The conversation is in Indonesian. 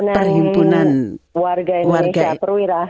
perhimpunan warga indonesia perwira